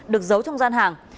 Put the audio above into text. được giấu trong gian hàng